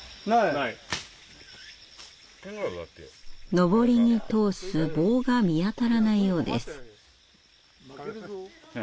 のぼりに通す棒が見当たらないようです。